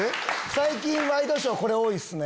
最近ワイドショーこれ多いっすね。